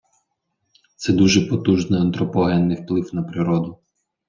Це дуже потужний антропогенний вплив на природу.